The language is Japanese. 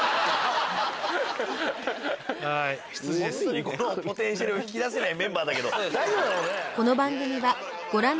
本当にこのポテンシャルを引き出せないメンバーだけど。